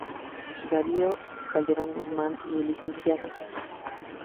Darío Calderón Guzmán y el Lic.